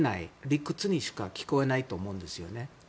理屈にしか聞こえないと思うんですね。